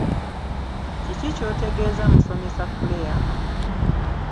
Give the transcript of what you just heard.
Kiki ky’otegeeza musomesa Claire?